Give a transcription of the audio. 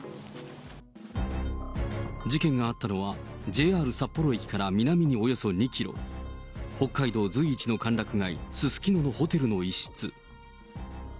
事件があったのはＪＲ札幌駅から南におよそ２キロ、北海道随一の歓楽街、すすきののホテルの一室。